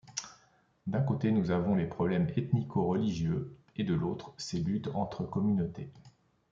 D’un côté nous avons les problèmes ethnico-religieux et de l’autre ces luttes entre communautés.